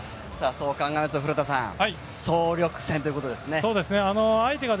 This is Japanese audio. そう考えると、古田さん総力戦ということですね。